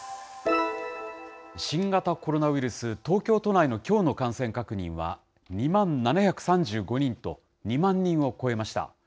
新型コロナウイルス、東京都内のきょうの感染確認は２万７３５人と、２万人を超えました。